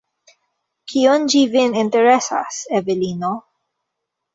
Kion ĝi vin interesas, Evelino?